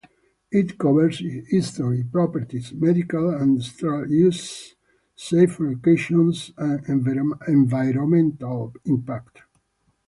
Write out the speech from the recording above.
It covers its history, properties, medical and industrial uses, safety precautions, and environmental impact.